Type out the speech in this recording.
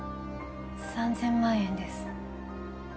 ３０００万円です。